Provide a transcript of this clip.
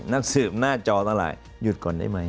นักสืบหน้าจอทั้งหลายหยุดก่อนได้ไหม